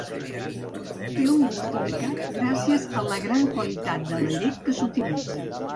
Té un gust delicat gràcies a la gran qualitat de la llet que s'utilitza.